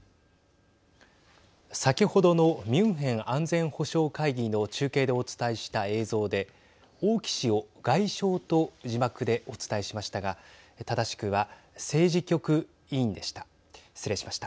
先ほどのミュンヘン安全保障会議の中継でお伝えした映像で王毅氏を外相と字幕でお伝えしましたが正しくは、政治局委員でした。